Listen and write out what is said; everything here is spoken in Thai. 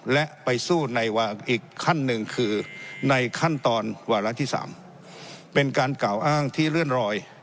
และไปสู้ในอีกขั้นหนึ่งคือในขั้นตอนวาระที่๓เป็นการกล่าวอ้างที่เลื่อนรอย